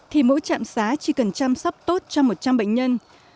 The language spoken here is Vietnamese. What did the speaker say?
thì mỗi trạm xá chỉ cần chăm sóc tốt cho một trăm linh bệnh nhân